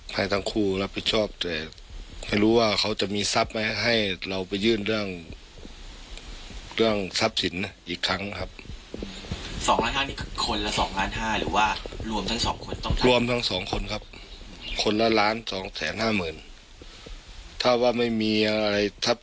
พ่อแม่เขาไม่ช่วยก็สารก็จะบวกโทษเพิ่มไปนะครับในจำนวนเงินนั้นนะครับ